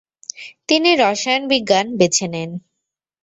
তিনি রসায়ন বিজ্ঞান বেছে নেন।